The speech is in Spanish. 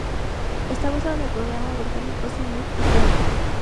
Está basado en el programa británico "Sing If You Can".